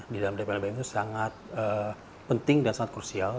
di dalam dplbm itu sangat penting dan sangat krusial